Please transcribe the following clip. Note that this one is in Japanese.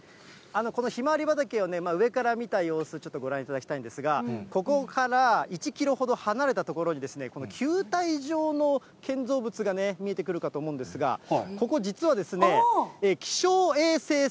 このひまわり畑をね、上から見た様子、ちょっとご覧いただきたいんですが、ここから１キロほど離れた所にですね、球体状の建造物がね、見えてくるかと思うんですが、ここ実はですまさか。